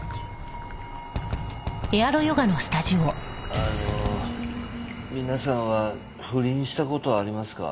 あの皆さんは不倫した事ありますか？